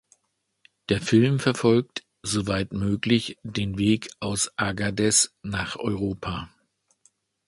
Der Film verfolgt (soweit möglich) den Weg aus Agadez nach Europa.